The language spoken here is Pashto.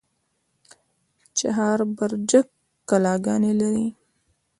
چهار برجک کلاګانې لري؟